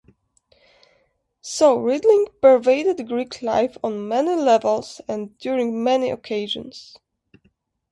So riddling pervaded Greek life on many levels and during many occasions.